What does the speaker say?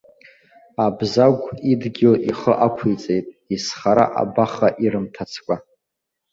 Абзагә идгьыл ихы ақәиҵеит, изхара абаха ирымҭацкәа.